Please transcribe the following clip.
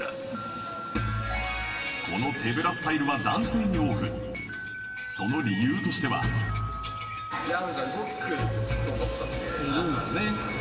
この手ぶらスタイルは男性に多くその理由としてはえっ？